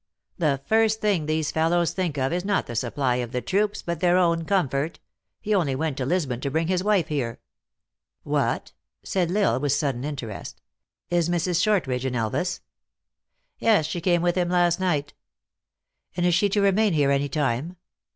"The first thing these fellows think of is not the supply of the troops, but their own comfort. He only went to Lisbon to bring his wife here." "What!" said L Isle, with sudden interest, "is Mrs. Shortridge in Elvas ?" "Yes. She came with him last night." ".And is she to remain here any time?"